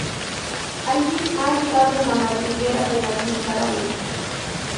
Alguien ha entrado en la madriguera de las musarañas...